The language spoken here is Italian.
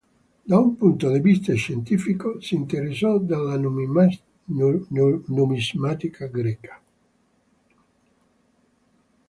Da un punto di vista scientifico si interessò della numismatica greca.